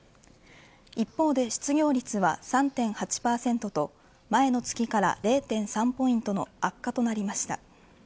一方で、失業率は３．８％と前の月から０．３ポイントの悪化となりました。